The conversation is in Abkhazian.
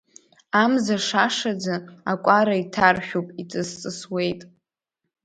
Амза шашаӡа, акәара иҭаршәуп, иҵысҵысуеит.